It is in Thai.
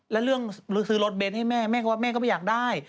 แล้วเรื่องซื้อรถเน้นให้แม่แม่ก็ว่าแม่ก็ไม่อยากได้